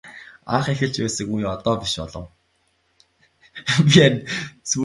Анх эхэлж байсан үе одоо биш болов.